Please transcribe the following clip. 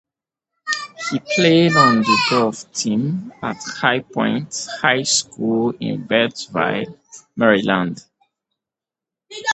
He played on the golf team at High Point High School in Beltsville, Maryland.